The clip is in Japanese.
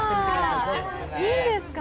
いいですか？